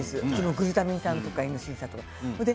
グルタミン酸とかイノシン酸とか。